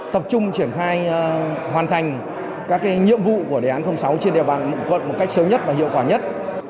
tập trung triển khai hoàn thành các nhiệm vụ của đề án sáu trên địa bàn quận một cách sớm nhất và hiệu quả nhất